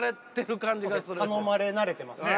頼まれ慣れてますね。